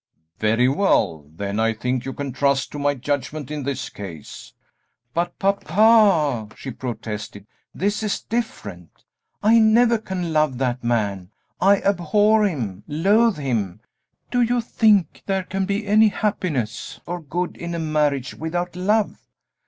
"Very well; then I think you can trust to my judgment in this case." "But, papa," she protested, "this is different. I never can love that man; I abhor him loathe him! Do you think there can be any happiness or good in a marriage without love?